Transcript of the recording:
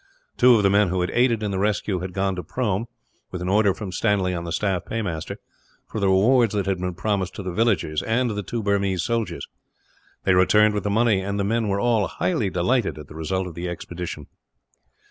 Two of the men who had aided in the rescue had gone to Prome, with an order from Stanley on the staff paymaster, for the rewards that had been promised to the villagers and the two Burmese soldiers. They returned with the money, and the men were all highly delighted at the result of the expedition.